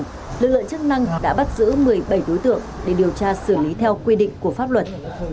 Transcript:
tuy nhiên lực lượng chức năng đã bắt giữ một mươi bảy đối tượng để điều tra xử lý theo quy định của pháp luật